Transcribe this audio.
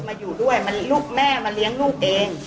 แม่มาเลี้ยงลูกเอง